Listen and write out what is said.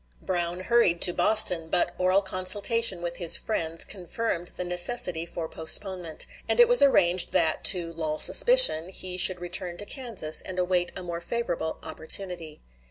Brown hurried to Boston; but oral consultation with his friends confirmed the necessity for postponement; and it was arranged that, to lull suspicion, he should return to Kansas and await a more favorable opportunity.